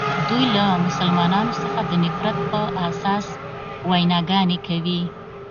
دوی له مسلمانانو څخه د نفرت په اساس ویناګانې کوي.